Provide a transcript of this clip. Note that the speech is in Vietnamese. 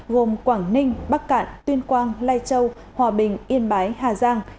gồm quảng ninh bắc cạn tuyên quang lai châu hòa bình yên bái hà giang